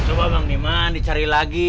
coba bang niman dicari lagi